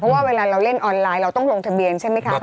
เพราะว่าเวลาเราเล่นออนไลน์เราต้องลงทะเบียนใช่ไหมคะ